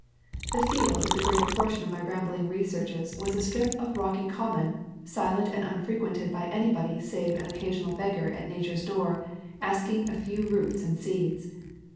The field of the greater portion of my rambling researches was a strip of rocky common, silent and unfrequented by anybody save an occasional beggar at Nature's door asking a few roots and seeds.